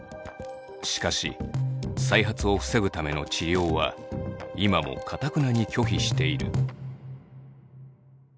しかし再発を防ぐための治療は今もかたくなに拒否している。